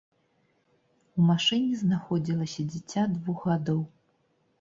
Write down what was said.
У машыне знаходзілася дзіця двух гадоў.